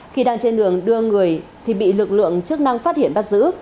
khi đang trên đường đưa người thì bị lực lượng chức năng phát hiện bắt giữ